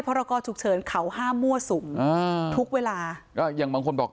รกรฉุกเฉินเขาห้ามมั่วสุมอ่าทุกเวลาก็อย่างบางคนบอก